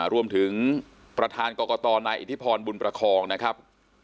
รวมถึงประธานกรกตนายอิทธิพรบุญประคองนะครับ